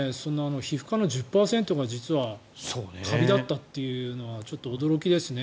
皮膚科の１０％が実はカビだったっていうのはちょっと驚きですね。